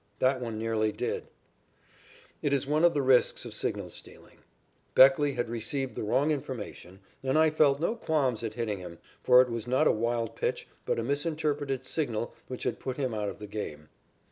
"That one nearly did." It is one of the risks of signal stealing. Beckley had received the wrong information and I felt no qualms at hitting him, for it was not a wild pitch but a misinterpreted signal which had put him out of the game.